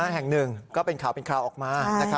แห่งหนึ่งก็เป็นข่าวเป็นคราวออกมา